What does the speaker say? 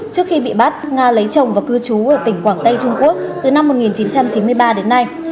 trước khi bị bắt nga lấy chồng và cư trú ở tỉnh quảng tây trung quốc từ năm một nghìn chín trăm chín mươi ba đến nay